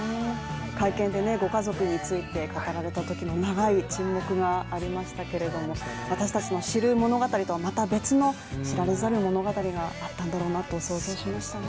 会見でねご家族について語られたときの長い沈黙がありましたけれども私達の知る物語とはまた別の知られざる物語があったんだろうなと想像しましたね